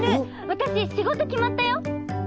私仕事決まったよ！